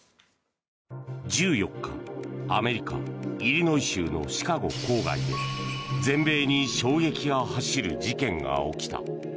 １４日、アメリカイリノイ州のシカゴ郊外で全米に衝撃が走る事件が起きた。